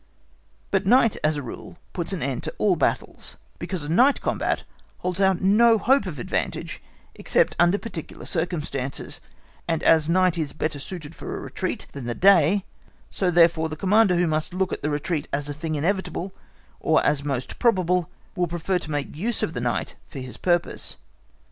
But night as a rule puts an end to all battles, because a night combat holds out no hope of advantage except under particular circumstances; and as night is better suited for a retreat than the day, so, therefore, the Commander who must look at the retreat as a thing inevitable, or as most probable, will prefer to make use of the night for his purpose.